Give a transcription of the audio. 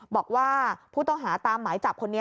บอกว่าผู้ต้องหาตามหมายจับคนนี้